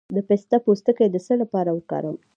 د پسته پوستکی د څه لپاره وکاروم؟